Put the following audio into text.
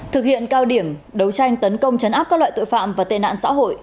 thực hiện cao điểm đấu tranh tấn công chấn áp các loại tội phạm và tên nạn xã hội